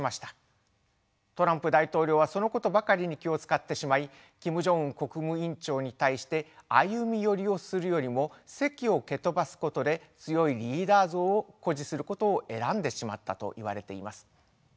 トランプ大統領はそのことばかりに気を遣ってしまいキム・ジョンウン国務委員長に対して歩み寄りをするよりも席を蹴飛ばすことで強いリーダー像を誇示することを選んでしまったといわれています。